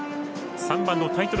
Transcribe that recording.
３番のタイトル